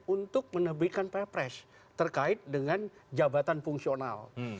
untuk menerbitkan perpres terkait dengan jabatan fungsional